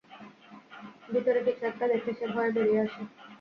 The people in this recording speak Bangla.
ভিতরে কিছু একটা দেখে সে ভয়ে বেড়িয়ে আসে।